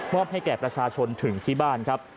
ให้แก่ประชาชนถึงที่บ้านครับ